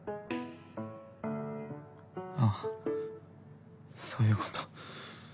ああそういうこと。